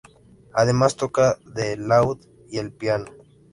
Además toca el laúd y el piano.